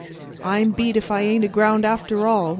"I'm beat if I ain't aground after all!"